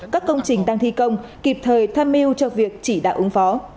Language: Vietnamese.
các công trình đang thi công kịp thời tham mưu cho việc chỉ đạo ứng phó